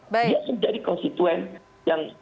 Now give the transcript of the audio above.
dia menjadi konstituen yang